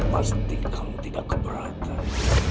pasti kau tidak keberatan